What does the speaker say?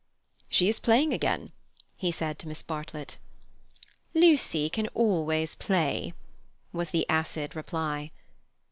"She is playing again," he said to Miss Bartlett. "Lucy can always play," was the acid reply.